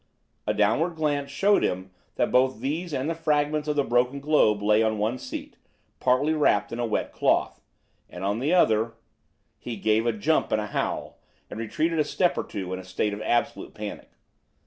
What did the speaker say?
A downward glance showed him that both these and the fragments of the broken globe lay on one seat, partly wrapped in a wet cloth, and on the other He gave a jump and a howl, and retreated a step or two in a state of absolute panic.